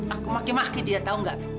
aku maki maki dia tau gak